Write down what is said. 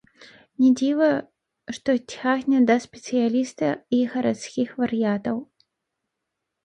Не дзіва, што цягне да спецыяліста і гарадскіх вар'ятаў.